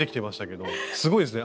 すごいですね。